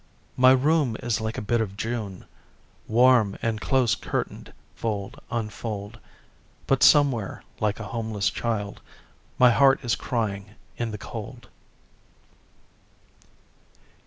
My room is like a bit of June, Warm and close curtained fold on fold, But somewhere, like a homeless child, My heart is crying in the cold.